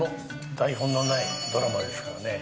台本のないドラマですからね。